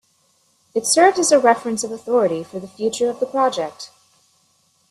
It serves as a reference of authority for the future of the project.